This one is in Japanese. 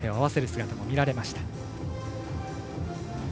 手を合わせる姿も見られました。